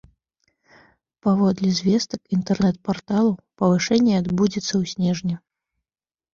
Паводле звестак інтэрнэт-парталу, павышэнне адбудзецца ў снежні.